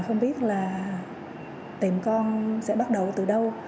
không biết là tìm con sẽ bắt đầu từ đâu